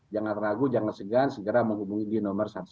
jangan ragu jangan segan segera menghubungi di nomor satu ratus dua belas